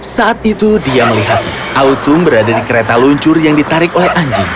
saat itu dia melihat autum berada di kereta luncur yang ditarik oleh anjing